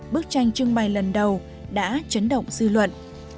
bức tranh trưng bày lần đầu đã chấn động dư luận